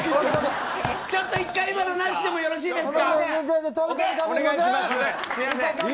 ちょっと１回目のなしでよろしいですか。